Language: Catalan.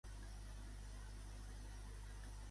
Però la justícia és un privilegi i no és un dret.